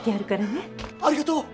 ありがとう！